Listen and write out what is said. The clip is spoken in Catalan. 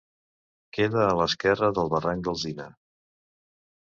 Queda a l'esquerra del barranc d'Alzina.